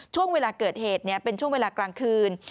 ช่วงเวลาเกิดเหตุเป็นช่วงเวลากลางคืน